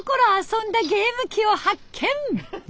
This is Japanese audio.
遊んだゲーム機を発見！